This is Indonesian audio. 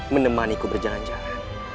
menemani ku berjalan jalan